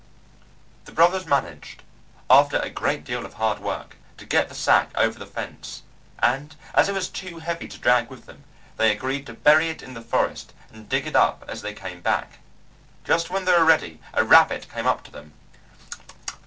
The brothers managed, after a great deal of hard work, to get the sack over the fence, and as it was too heavy to drag with them they agreed to bury it in the forest and dig it up as they came back. Just when they were ready a rabbit came up to them.